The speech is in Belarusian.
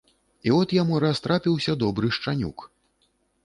І от яму раз трапіўся добры шчанюк.